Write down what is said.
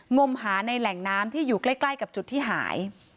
งมหาในแหล่งน้ำที่อยู่ใกล้กับจุดที่หาย